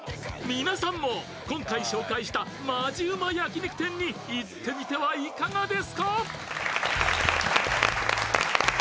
皆さんも今回紹介したマヂウマ焼き肉店に行ってみてはいかがですか？